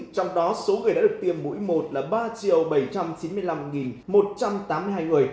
trong đó số người đã được tiêm mũi một là ba bảy trăm chín mươi năm một trăm tám mươi hai người